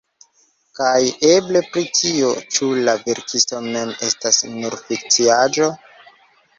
Kaj eble pri tio, ĉu la verkisto mem estas nur fikciaĵo?